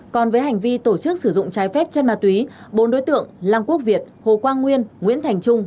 còn với hành vi tổ chức sử dụng trái phép chân ma túy bốn đối tượng lăng quốc việt hồ quang nguyên nguyễn thành trung